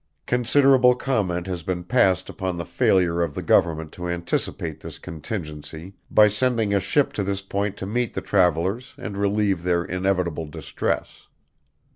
Considerable comment has been passed upon the failure of the government to anticipate this contingency by sending a ship to this point to meet the travelers and relieve their inevitable distress.